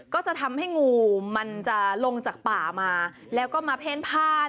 ก็จะทำให้งูมันจะลงจากป่ามาแล้วก็มาเพ่นผ้า